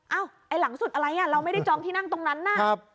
ไอ้หลังสุดอะไรเราไม่ได้จองที่นั่งตรงนั้นน่ะ